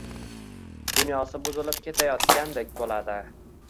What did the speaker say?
– dunyosi buzilib ketayotgandek bo‘ladi.